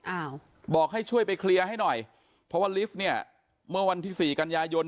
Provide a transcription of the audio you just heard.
อ้าวบอกให้ช่วยไปเคลียร์ให้หน่อยเพราะว่าลิฟต์เนี่ยเมื่อวันที่สี่กันยายน